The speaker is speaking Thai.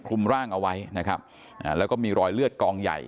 ร่างเอาไว้นะครับอ่าแล้วก็มีรอยเลือดกองใหญ่